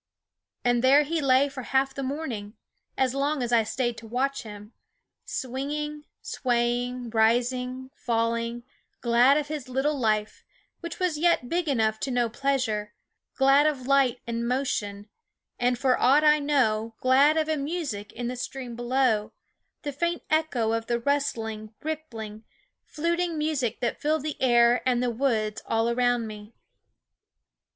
And there he lay for half the morning as long as I stayed to watch him swing ing, swaying, rising, falling, glad of his little life, which was yet big enough to know pleasure, glad of light and motion, and, SCHOOL OF 316 Gladsome for aught I know, glad of a music in the stream below, the faint echo of the rustling, rippling, fluting music that filled the air and the woods all around me.